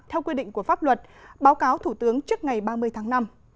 theo quy định của pháp luật báo cáo thủ tướng trước ngày ba mươi tháng năm